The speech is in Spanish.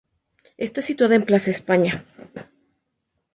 Está situada en Plaza España.